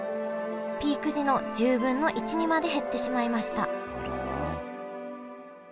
ピーク時の１０分の１にまで減ってしまいましたあら。